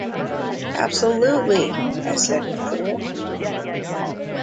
"Absolutely," I said with approval.